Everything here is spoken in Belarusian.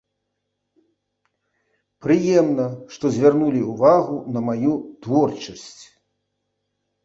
Прыемна, што звярнулі ўвагу на маю творчасць.